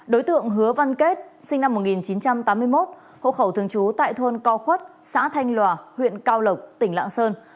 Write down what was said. đối tượng hứa văn kết sinh năm một nghìn chín trăm tám mươi một hộ khẩu thường trú tại thôn co khuất xã thanh lòa huyện cao lộc tỉnh lạng sơn